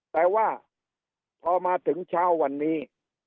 แต่ว่าพอมาถึงเช้าวันนี้